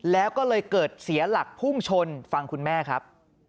แล้วก็เลยเกิดเสียหลักพุ่งชนฟังคุณแม่ครับ